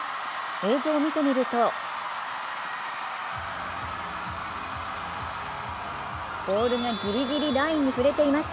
映像を見てみるとボールがぎりぎりラインに触れています。